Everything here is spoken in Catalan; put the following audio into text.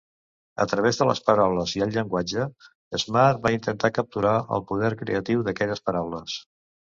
A través de les paraules i el llenguatge, Smart va intentar capturar el poder creatiu d'aquelles paraules.